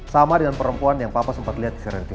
sama dengan perempuan yang papa sempat lihat di serenting